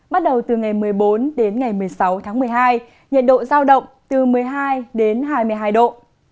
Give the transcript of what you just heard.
bắt đầu từ ngày một mươi bốn đến ngày một mươi sáu tháng một mươi hai nhiệt độ giao động từ một mươi hai đến hai mươi hai độ